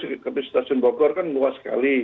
kembali ke stasiun bokor kan luas sekali